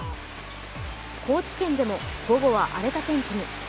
高知県でも午後は荒れた天気に。